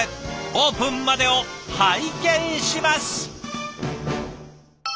オープンまでを拝見します！